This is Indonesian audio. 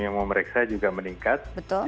jumlah yang diperiksa juga meningkat